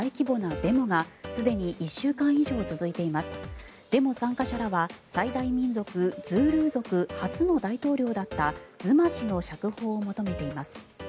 デモ参加者らは最大民族ズールー族初の大統領だったズマ氏の釈放を求めています。